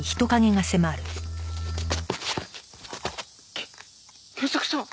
け賢作さん！？